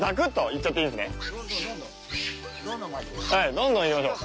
どんどんいきましょう。